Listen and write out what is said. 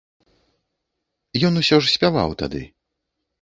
Ён усё ж спяваў тады.